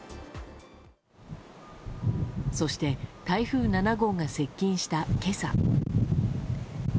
そして台風７号が接近した今朝。